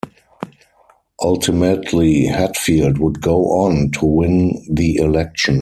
Ultimately, Hatfield would go on to win the election.